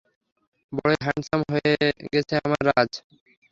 বড়ই হ্যাঁন্ডসাম হয়ে গেছে আমাদের রাজ।